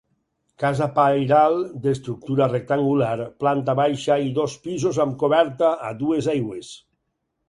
Casa pairal d'estructura rectangular, planta baixa i dos pisos amb coberta a dues aigües.